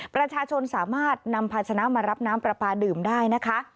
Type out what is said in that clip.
ประชาชนสามารถนำพาชนะมารับน้ำปลาปลาดื่มได้นะคะ